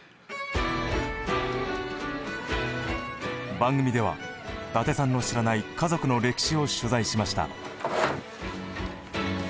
番組では伊達さんの知らない家族の歴史を取材しました。